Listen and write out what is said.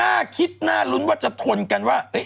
นะคิดจะรขทูลกันว่า